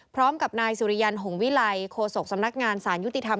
พร้อมกับนายสุริยันหงวิลัยโคศกสำนักงานสารยุติธรรม